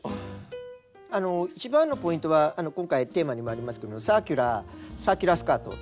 あの一番のポイントは今回テーマにもありますけどサーキュラーサーキュラースカート。